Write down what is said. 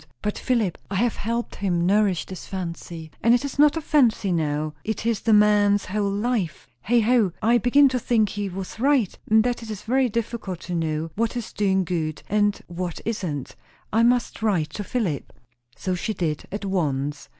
But Philip? I have helped him nourish this fancy and it is not a fancy now it is the man's whole life. Heigh ho! I begin to think he was right, and that it is very difficult to know what is doing good and what isn't. I must write to Philip So she did, at once.